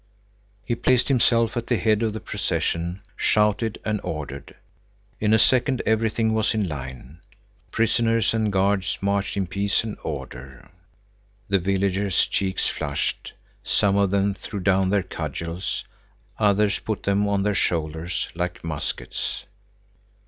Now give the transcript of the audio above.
He placed himself at the head of the procession, shouted and ordered. In a second everything was in line. Prisoners and guards marched in peace and order. The villagers' cheeks flushed; some of them threw down their cudgels; others put them on their shoulders like muskets.